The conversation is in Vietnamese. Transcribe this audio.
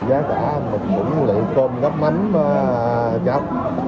giá cả một muỗng lựu tôm gắp mánh và cháo